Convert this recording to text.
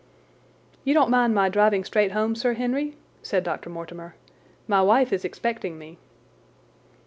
"You don't mind my driving straight home, Sir Henry?" said Dr. Mortimer. "My wife is expecting me."